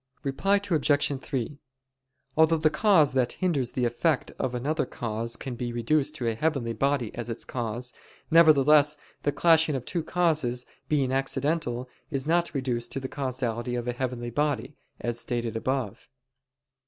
Reply Obj. 3: Although the cause that hinders the effect of another cause can be reduced to a heavenly body as its cause; nevertheless the clashing of two causes, being accidental, is not reduced to the causality of a heavenly body, as stated above.